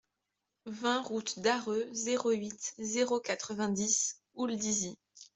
vingt route d'Arreux, zéro huit, zéro quatre-vingt-dix, Houldizy